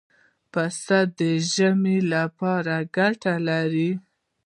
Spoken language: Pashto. پسه د ژمې لپاره ګټه لري.